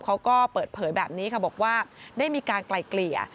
เขาก็เปิดเผยแบบนี้ค่ะบอกว่าได้มีการไกลเกลี่ย